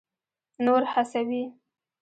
نور هڅوي.